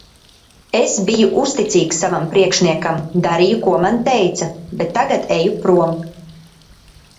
Es biju uzticīgs savam priekšniekam, darīju, ko man teica, bet tagad eju prom.